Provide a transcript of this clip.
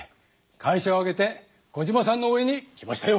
会社を挙げてコジマさんの応えんに来ましたよ！